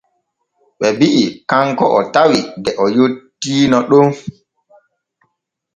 Ɓe bi’i kanko o tawi de o yottiino ɗon.